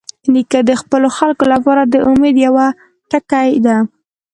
نیکه د خپلو خلکو لپاره د امید یوه ټکۍ ده.